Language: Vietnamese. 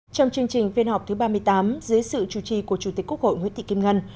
trong chương trình phiên họp thứ ba mươi tám dưới sự chủ trì của chủ tịch quốc hội nguyễn thị kim ngân